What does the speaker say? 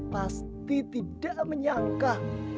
pasti tidak menyangka